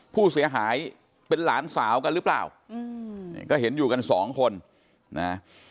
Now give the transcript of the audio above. ผู้เสียหายเป็นหลานสาวกันหรือเปล่าอืมก็เห็นอยู่กันสองคนนะ